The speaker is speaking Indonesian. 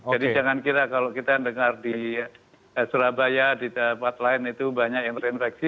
jadi jangan kira kalau kita dengar di surabaya di tempat lain itu banyak yang terinfeksi